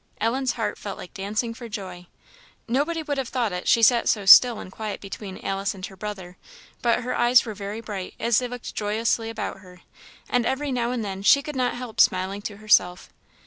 Ellen's heart felt like dancing for joy. Nobody would have thought it, she sat so still and quiet between Alice and her brother; but her eyes were very bright as they looked joyously about her, and every now and then she could not help smiling to herself.